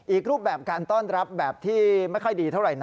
รูปแบบการต้อนรับแบบที่ไม่ค่อยดีเท่าไหร่นะ